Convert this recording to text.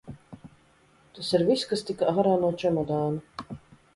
Tas ir viss, kas tika ārā no čemodāna?